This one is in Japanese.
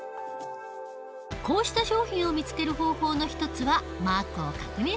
こうした商品を見つける方法の一つはマークを確認する事。